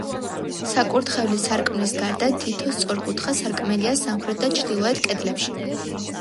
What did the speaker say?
საკურთხევლის სარკმლის გარდა თითო სწორკუთხა სარკმელია სამხრეთ და ჩრდილოეთ კედლებში.